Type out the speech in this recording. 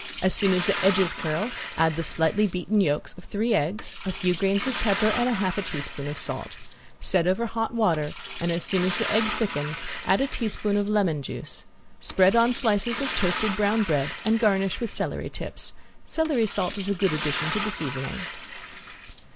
As soon as the edges curl add the slightly beaten yolks of three eggs, a few grains of pepper and half a teaspoon of salt. Set over hot water and as soon as the egg thickens add a teaspoon of lemon juice. Spread on slices of toasted brown bread and garnish with celery tips. Celery salt is a good addition to the seasoning.